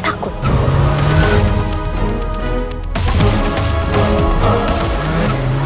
jeruknya deh pak